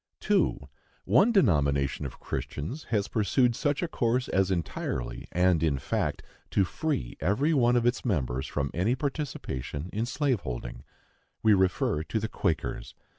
2. One denomination of Christians has pursued such a course as entirely, and in fact, to free every one of its members from any participation in slave holding. We refer to the Quakers.